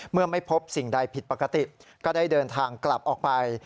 เมื่อไม่พบสิ่งใดผิดปกติก็ได้เดินทางกลับออกไป